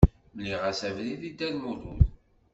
Mliɣ-as abrid i Dda Lmulud.